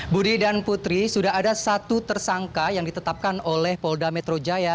budi dan putri sudah ada satu tersangka yang ditetapkan oleh polda metro jaya